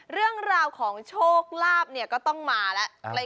เรื่องราวของโชคลาภเนี่ยก็ต้องมาแล้ว